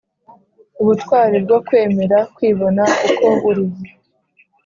Ubutwari bwo kwemera kwibona uko uri